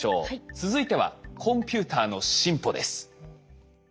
続いてはコンピューターの進歩です。